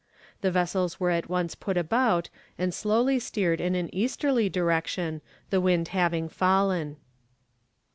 The vessels were at once put about and slowly steered in an easterly direction, the wind having fallen.